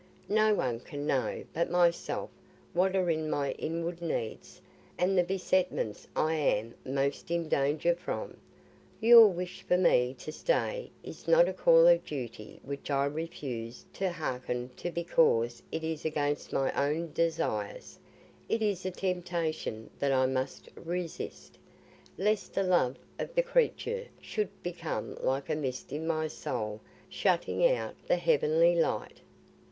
No one can know but myself what are my inward needs, and the besetments I am most in danger from. Your wish for me to stay is not a call of duty which I refuse to hearken to because it is against my own desires; it is a temptation that I must resist, lest the love of the creature should become like a mist in my soul shutting out the heavenly light."